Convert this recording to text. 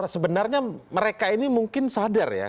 sebenarnya mereka ini mungkin sadar ya